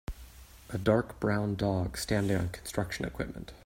A dark brown dog standing on construction equipment.